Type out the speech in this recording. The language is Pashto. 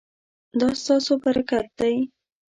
دا ستاسو برکت دی